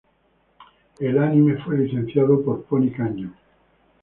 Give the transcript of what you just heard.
El anime fue licenciado por Pony Canyon.